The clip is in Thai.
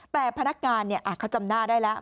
แต่พนักงานเขาจำหน้าได้แล้ว